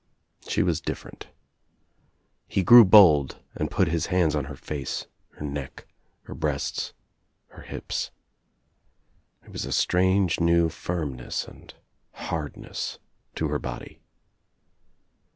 She was different. He grew bold and put his hands on her face, her neck, her breasts, her hips. There was a strange new firmnesa and hardness to her body.